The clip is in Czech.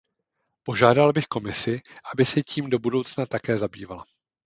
Požádal bych Komisi, aby se tím do budoucna také zabývala.